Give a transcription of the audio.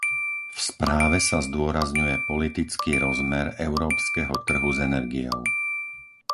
V správe sa zdôrazňuje politický rozmer európskeho trhu s energiou.